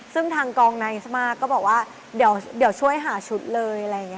ซึ่งทางกองนางอิสมากก็บอกว่าเดี๋ยวช่วยหาชุดเลย